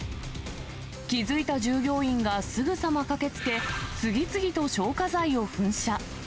気付いた従業員がすぐさま駆けつけ、次々と消火剤を噴射。